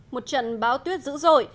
một trận bão tuyết dữ dội